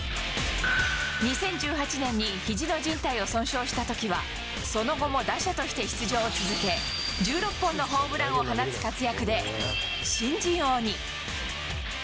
２０１８年にひじのじん帯を損傷したときは、その後も打者として出場を続け、１６本のホームランを放つ活躍で新人王に。